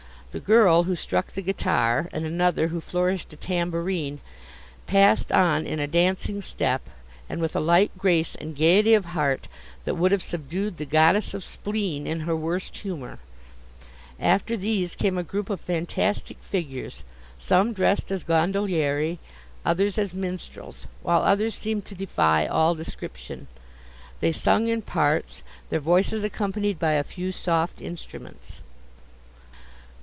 The girl, who struck the guitar, and another, who flourished a tambourine, passed on in a dancing step, and with a light grace and gaiety of heart, that would have subdued the goddess of spleen in her worst humour. After these came a group of fantastic figures, some dressed as gondolieri, others as minstrels, while others seemed to defy all description. They sung in parts, their voices accompanied by a few soft instruments.